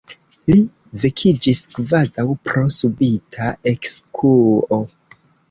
Li vekiĝis kvazaŭ pro subita ekskuo.